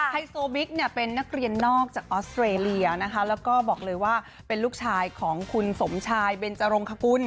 ไฮโซบิ๊กเนี่ยเป็นนักเรียนนอกจากออสเตรเลียนะคะแล้วก็บอกเลยว่าเป็นลูกชายของคุณสมชายเบนจรงคกุล